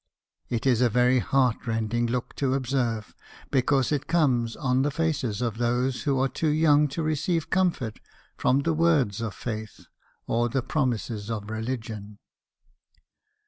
It is a very heart rending look to observe, because it comes on the faces of those who are too young to receive comfort from the words of faith , or the promises of religion.